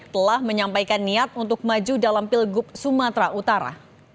telah menyampaikan niat untuk maju dalam pilgub sumatera utara